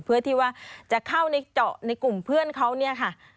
เพื่อที่ว่าจะเข้าในเจาะในกลุ่มเพื่อนเขาเนี่ยค่ะ